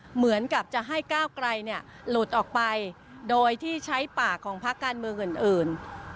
เหมือนกับจะให้ก้าวไกลหลุดออกไปโดยที่ใช้ปากของพักการเมืองอื่น